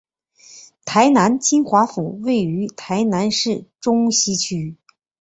台南金华府位于台南市中西区。